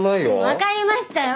分かりましたよ！